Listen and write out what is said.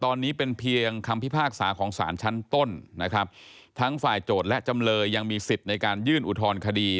ตอนนี้เป็นเพียงคำพิพากษาของสารชั้นต้นนะครับทั้งฝ่ายโจทย์และจำเลยยังมีสิทธิ์ในการยื่นอุทธรณคดี